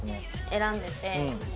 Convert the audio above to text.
選んでて。